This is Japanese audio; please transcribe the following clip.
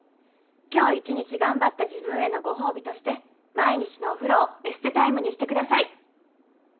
今日１日頑張った自分へのごほうびとして毎日のお風呂をエステタイムにしてください。